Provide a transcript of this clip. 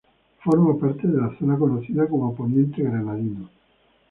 Forma parte de la zona conocida como Poniente Granadino.